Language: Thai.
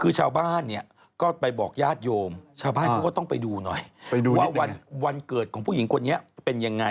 คือชาวบ้านเนี่ยก็ไปบอกญาติโยมชาวบ้านเขาก็ต้องไปดูหน่อยไปดูว่าวันเกิดของผู้หญิงคนนี้เป็นยังไง